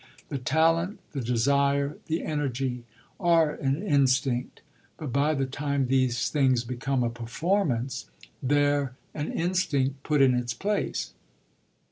The talent, the desire, the energy are an instinct; but by the time these things become a performance they're an instinct put in its place."